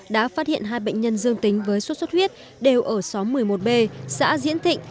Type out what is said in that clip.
đã phát hiện hai bệnh nhân dương tính với sốt xuất huyết đều ở xóm một mươi một b xã diễn thịnh